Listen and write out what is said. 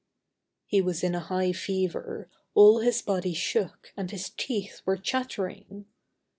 He was in a high fever; all his body shook and his teeth were chattering.